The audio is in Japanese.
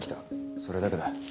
それだけだ。